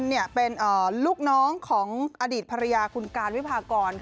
เป็นลูกน้องของอดีตภรรยาคุณการวิพากร